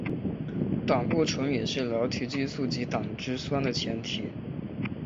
胆固醇也是甾体激素及胆汁酸的前体。